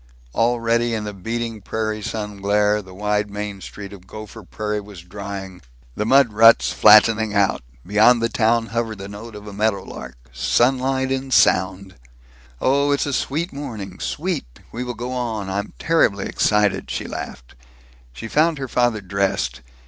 Already, in the beating prairie sun glare, the wide main street of Gopher Prairie was drying; the mud ruts flattening out. Beyond the town hovered the note of a meadow lark sunlight in sound. "Oh, it's a sweet morning! Sweet! We will go on! I'm terribly excited!" she laughed. She found her father dressed.